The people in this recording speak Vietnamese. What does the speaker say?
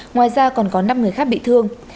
ngoài ra còn có năm người khác bị thương